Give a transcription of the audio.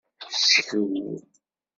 Skew.